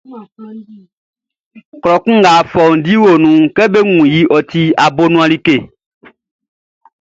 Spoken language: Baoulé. Klɔ kun mɔ fɔundi o nunʼn, kɛ be wun iʼn, ɔ ti abonuan like.